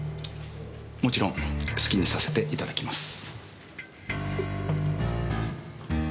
もちろん好きにさせていただきます。